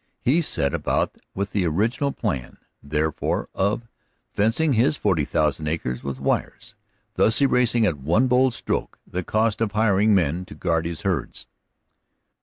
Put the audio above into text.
He set about with the original plan, therefore, of fencing his forty thousand acres with wire, thus erasing at one bold stroke the cost of hiring men to guard his herds.